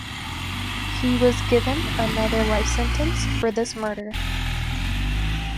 He was given another life sentence for this murder.